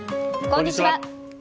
こんにちは。